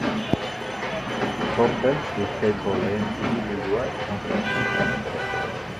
Sortzen Bizkaiko lehen hiribildua izan zen.